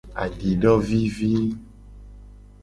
Adidovivi.